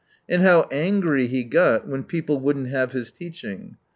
And how angry he got when people wouldn't have his teaching